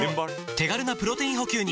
手軽なプロテイン補給に。